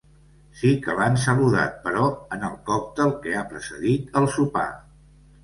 Sí que l’han saludat, però, en el còctel que ha precedit el sopar.